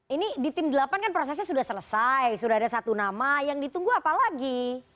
ini di tim delapan kan prosesnya sudah selesai sudah ada satu nama yang ditunggu apa lagi